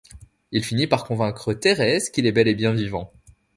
Il finit par convaincre Thérèse qu’il est bel et bien vivant.